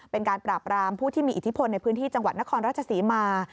เป็นการปราบรามผู้ที่มีอิทธิพลในพื้นที่จังหวัดนครราชศรีมา